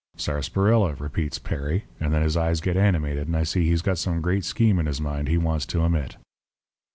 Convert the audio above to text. "'Sarsaparilla,' repeats Perry, and then his eyes get animated, and I see he's got some great scheme in his mind he wants to emit.